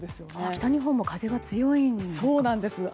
北日本も風が強いんですね。